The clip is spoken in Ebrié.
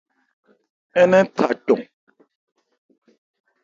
Ń nɛ́n tha cɔn.